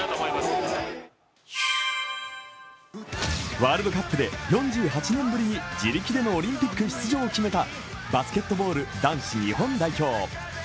ワールドカップで４８年ぶりに自力でのオリンピック出場を決めたバスケットボール男子日本代表。